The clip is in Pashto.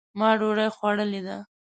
ما ډوډۍ خوړلې ده